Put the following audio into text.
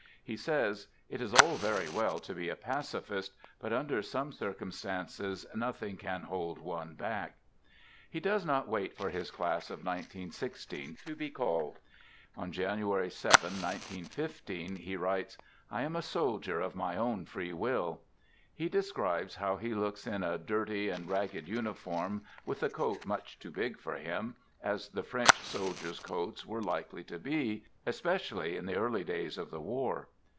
He says: " It is all very well to be a pacifist, but under some circumstances nothing can hold one back." He does not wait for his class of 191 6 to be called. On January 7, 19 15, he writes: "I am a soldier of my own free will." He describes how he looks in a dirty and ragged uniform with the coat much too big for him — as the French soldiers' coats were likely to be, especially in the early days of the war.